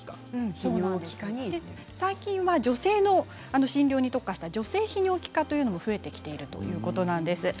最近は女性の診療に特化した女性泌尿器科も増えてきているということなんです。